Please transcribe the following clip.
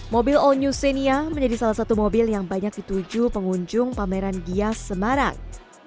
mobil all new venia menjadi salah satu mobil yang banyak dituju pengunjung pameran gias semarang